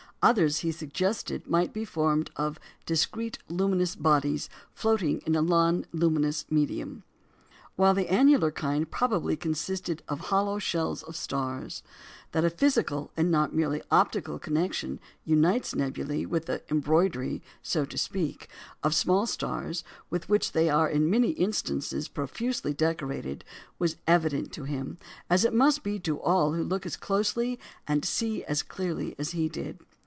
Others, he suggested, might be formed of "discrete luminous bodies floating in a non luminous medium;" while the annular kind probably consisted of "hollow shells of stars." That a physical, and not merely an optical, connection unites nebulæ with the embroidery (so to speak) of small stars with which they are in many instances profusely decorated, was evident to him, as it must be to all who look as closely and see as clearly as he did.